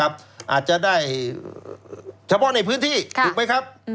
อาจจะได้เฉพาะในพื้นที่นี่เข้าไปครับ